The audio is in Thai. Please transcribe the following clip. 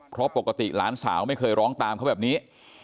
เพราะปกติหลานสาวไม่เคยร้องตามเขาแบบนี้